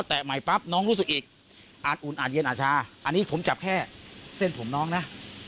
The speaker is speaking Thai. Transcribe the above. ใหม่ปั๊บน้องรู้สึกอีกอาจอุ่นอาจเย็นอาจชาอันนี้ผมจับแค่เส้นผมน้องนะ